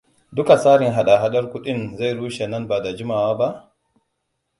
Duka tsarin hadahadar kuɗin zai rushe nan bada jimawa ba?